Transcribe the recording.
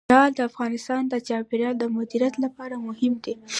لعل د افغانستان د چاپیریال د مدیریت لپاره مهم دي.